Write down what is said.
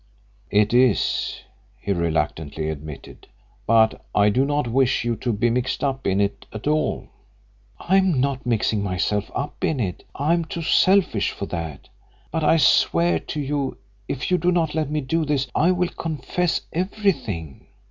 "It is," he reluctantly admitted. "But I do not wish you to be mixed up in it at all." "I am not mixing myself up in it I am too selfish for that. But I swear to you if you do not let me do this I will confess everything.